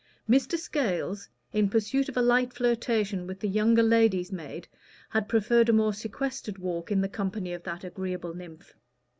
Mr. Scales, in pursuit of a light flirtation with the younger lady's maid, had preferred a more sequestered walk in the company of that agreeable nymph.